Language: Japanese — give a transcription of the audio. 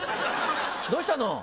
どうしたの？